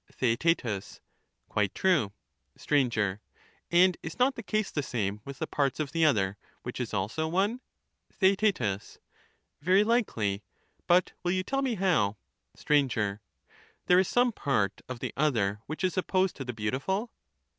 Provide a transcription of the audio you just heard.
Theaet. Quite true. Str, And is not the case the same with the parts of the other, which is also one ? Theaet. Very likely ; but will you tell me how ? Str. There is some part of the other which is opposed to the beautiful